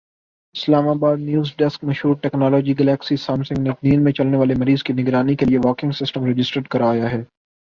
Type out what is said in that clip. اسلام آبادنیو زڈیسک مشہور ٹیکنالوجی گلیکسی سامسنگ نے نیند میں چلنے والے مریض کی نگرانی کیلئے والکنگ سسٹم رجسٹرڈ کرایا ہے